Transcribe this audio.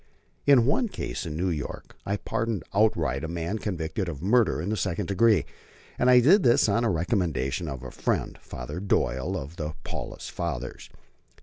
In one case in New York I pardoned outright a man convicted of murder in the second degree, and I did this on the recommendation of a friend, Father Doyle of the Paulist Fathers.